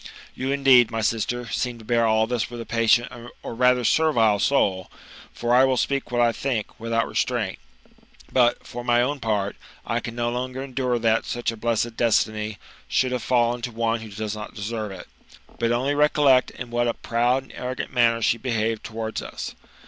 You, indeed, ray sister, seem to bear all this with a patient or rather servile soul, (for I will speak what I think, without restraint), but, for my own part, I can no longer endure that such a blessed destiny should have fallen to one who does not deserve it. For only recollect in what a proud and arrogant manner she behaved towards us.